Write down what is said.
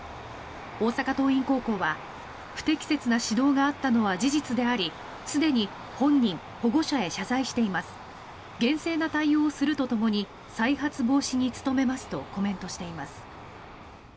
大阪桐蔭高校は不適切な指導があったのは事実でありすでに本人、保護者へ謝罪しています厳正な対応をするとともに再発防止に努めますとコメントしています。